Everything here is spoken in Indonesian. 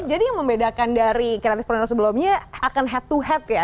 jadi yang membedakan dari kreatif perundang sebelumnya akan head to head ya